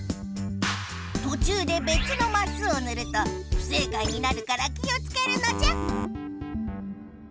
とちゅうでべつのマスをぬるとふせいかいになるから気をつけるのじゃ！